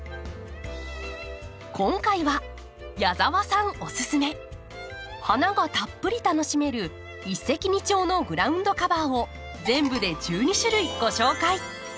今回は矢澤さんおススメ花がたっぷり楽しめる一石二鳥のグラウンドカバーを全部で１２種類ご紹介！